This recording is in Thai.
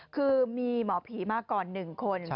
คือมีหมอผีมาก่อน๑คน